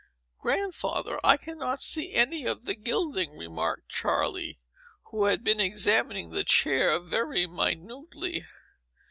"Grandfather, I cannot see any of the gilding," remarked Charley, who had been examining the chair very minutely.